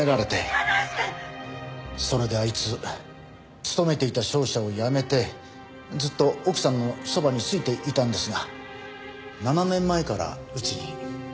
それであいつ勤めていた商社を辞めてずっと奥さんのそばについていたんですが７年前からうちに。